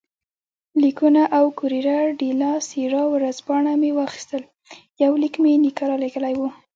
لیکونه او کوریره ډیلا سیرا ورځپاڼه مې واخیستل، یو لیک مې نیکه رالېږلی وو.